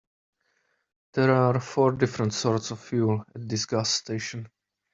There are four different sorts of fuel at this gas station.